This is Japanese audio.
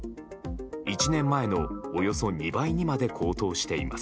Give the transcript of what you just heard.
１年前のおよそ２倍にまで高騰しています。